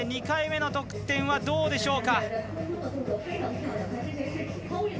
２回目の得点はどうでしょうか。